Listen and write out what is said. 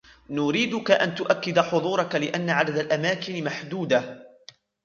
نريدك أن تؤكد حضورك لأن عدد الأماكن محدود.